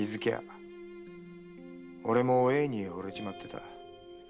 俺もお栄に惚れちまってた。